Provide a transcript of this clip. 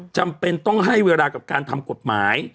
จำเป็นต้องให้เวลากับการทำกฎหมาย